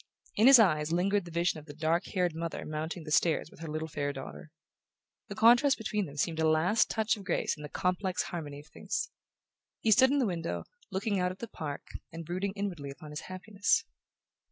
In his eyes lingered the vision of the dark haired mother mounting the stairs with her little fair daughter. The contrast between them seemed a last touch of grace in the complex harmony of things. He stood in the window, looking out at the park, and brooding inwardly upon his happiness...